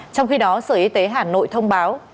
trong khi đó sở y tế hà nội thông báo